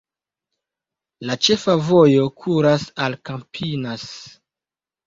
La ĉefa vojo kuras al Campinas.